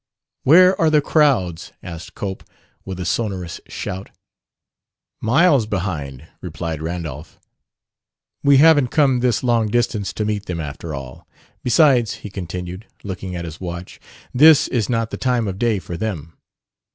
"Where are the crowds?" asked Cope, with a sonorous shout. "Miles behind," replied Randolph. "We haven't come this long distance to meet them after all. Besides," he continued, looking at his watch, "this is not the time of day for them.